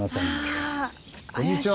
こんにちは。